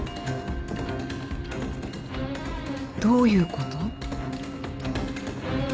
どういうこと？